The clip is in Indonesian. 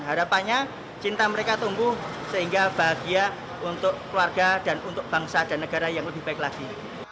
harapannya cinta mereka tumbuh sehingga bahagia untuk keluarga dan untuk bangsa dan negara yang lebih baik lagi